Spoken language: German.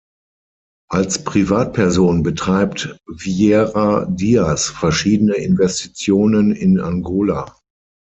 Als Privatperson betreibt Vieira Dias verschiedene Investitionen in Angola.